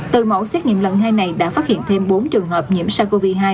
từ mẫu xét nghiệm lần hai này đã phát hiện thêm bốn trường hợp nhiễm sars cov hai